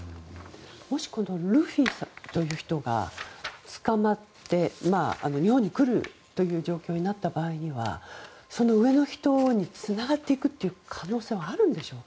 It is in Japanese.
もしルフィさんという人が捕まって日本に来るという状況になった場合にはその上の人につながる可能性はあるんでしょうか？